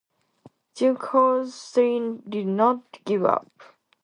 Junkers still did not give up.